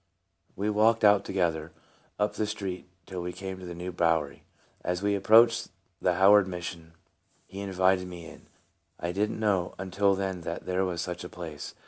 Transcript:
We walked out together, up the street, till we came to the New Bowery. As we ap proached the Howard Mission he invited me in. I didn't know until then that there was such a place.